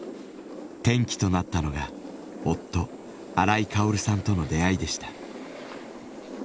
転機となったのが夫荒井香織さんとの出会いでした。